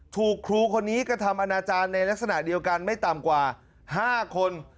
ถูกครูคนนี้กระทำอนาจารย์ในลักษณะเดียวกันไม่ต่ำกว่า๕คน